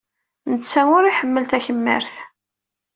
Netta ur iḥemmel takemmart.